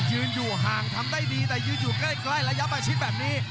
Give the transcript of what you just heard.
ยืนอยู่ห่างทำได้ดีแต่ยืนอยู่ใกล้ระยะประชิดแบบนี้